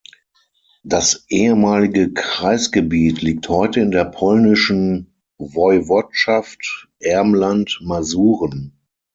Das ehemalige Kreisgebiet liegt heute in der polnischen Woiwodschaft Ermland-Masuren.